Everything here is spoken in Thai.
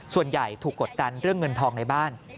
ส่วนใหญ่ถูกกดดันเรื่องเงินทองในบ้าน